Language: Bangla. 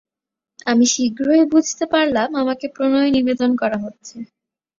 আমি শীঘ্রই বুঝতে পারলাম আমাকে প্রণয় নিবেদন করা হচ্ছে।